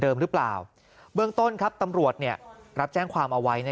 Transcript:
หรือเปล่าเบื้องต้นครับตำรวจรับแจ้งความเอาไว้